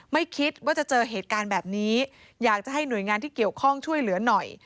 ไม่คิดว่าจะเจอเหตุการณ์แบบนี้อยากจะให้หน่วยงานที่เกี่ยวข้องช่วยเหลือหน่อย